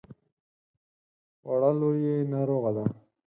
وړه لور يې ناروغه ده.